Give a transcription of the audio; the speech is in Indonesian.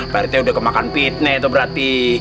pak rt udah kemakan fitnah itu berarti